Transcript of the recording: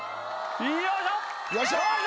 よいしょっ！